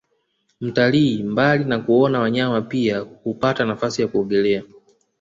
Mtalii mbali ya kuona wanyama pia huapata nafasi ya kuogelea